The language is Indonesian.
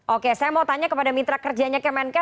oke saya mau tanya kepada mitra kerjanya kemenke